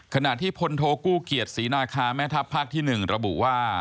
ขณะที่พลโทกู้เกียรติศรีนาคาแม่ทัพภาคที่๑ระบุว่า